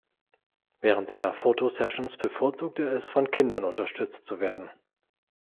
Während seiner Photo-Sessions bevorzugt er es, von Kindern unterstützt zu werden.